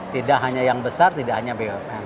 tidak hanya yang besar tidak hanya bumn